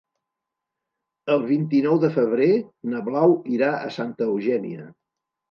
El vint-i-nou de febrer na Blau irà a Santa Eugènia.